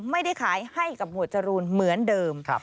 ไม่ได้ขายให้กับหมวดจรูนเหมือนเดิม